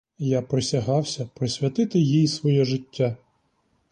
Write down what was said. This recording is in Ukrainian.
Я присягався присвятити їй своє життя.